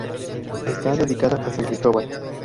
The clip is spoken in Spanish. Está dedicada a San Cristóbal